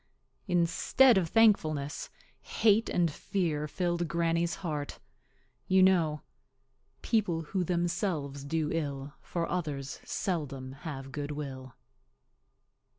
Instead of thankfulness, hate and fear filled Granny's heart. You know— People who themselves do ill For others seldom have good will.